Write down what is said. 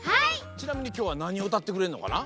ちなみにきょうはなにをうたってくれるのかな？